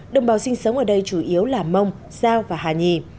đồng bào sinh sống ở đây chủ yếu là mông giao và hà nhì